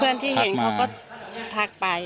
เพื่อนที่เห็นเขาก็ทักไป